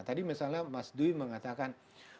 tadi misalnya mas dwi mengatakan